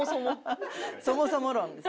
そもそも論です。